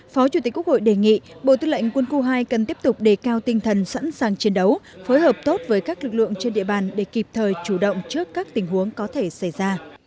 phó chủ tịch quốc hội đề nghị bộ tư lệnh quân khu hai cần tiếp tục đề cao tinh thần sẵn sàng chiến đấu phối hợp tốt với các lực lượng trên địa bàn để kịp thời chủ động trước các tình huống có thể xảy ra